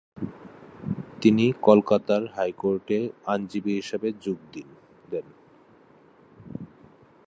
তিনি কোলকাতা হাইকোর্টে আইনজীবী হিসাবে যোগ দেন।